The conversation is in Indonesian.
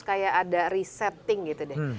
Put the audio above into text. kayak ada resetting gitu deh